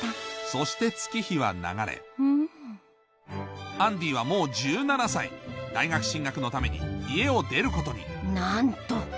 そして月日は流れうん大学進学のために家を出ることになんと！